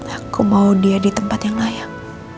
aku mau dia di tempat yang layak